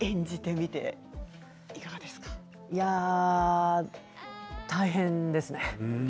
いや大変ですね。